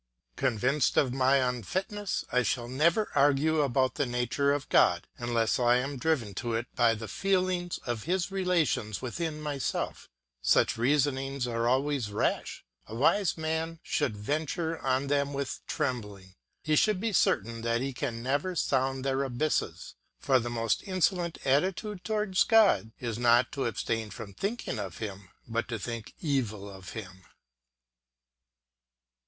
Convinced of my unfitness, I shall never argue about the nature of God unless I am driven to it by the feeling of his relations with myself. Such reasonings are always rash; a wise man should venture on them with trembling, he should be certain that he can never sound their abysses; for the most insolent attitude towards God is not to abstain from thinking of him, but to think evil of him.